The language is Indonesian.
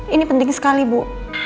ini penting sekali bu